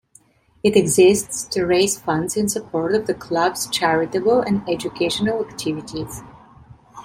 It exists to raise funds in support of the Club's charitable and educational activities.